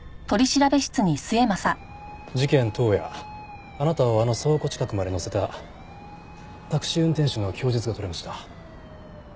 事件当夜あなたをあの倉庫近くまで乗せたタクシー運転手の供述が取れました。